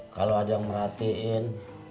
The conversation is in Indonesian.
kalau ada yang merhatiin